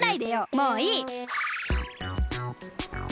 もういい！